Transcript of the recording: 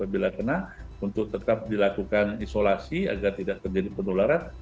bila kena untuk tetap dilakukan isolasi agar tidak terjadi penularan